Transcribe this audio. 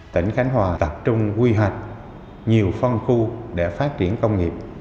tỉnh khánh hòa tập trung quy hoạch nhiều phân khu để phát triển công nghiệp